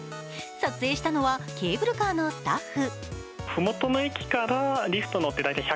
撮影したのはケーブルカーのスタッフ。